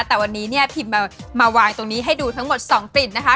แต่วันนี้เนี่ยพิมพ์มาวางตรงนี้ให้ดูทั้งหมด๒กลิ่นนะคะ